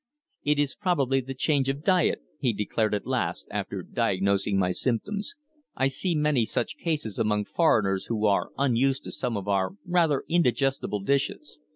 "It is probably the change of diet," he declared at last, after diagnosing my symptoms. "I see many such cases among foreigners who are unused to some of our rather indigestible dishes.